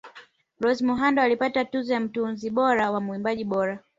Rose Muhando alipata tuzo ya mtunzi bora na muimbaji bora